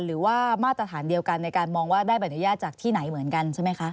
หรือว่ามาตรฐานเดียวกันในการมองว่าได้ใบอนุญาตจากที่ไหนเหมือนกันใช่ไหมคะ